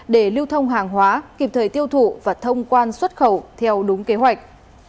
để lưu thông hàng hóa kịp thời tiêu thụ và thông quan xuất khẩu theo đúng kế hoạch